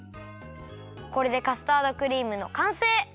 これでカスタードクリームのかんせい！